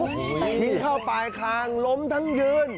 ยิงเข้าปลายคางล้มทั้งยืน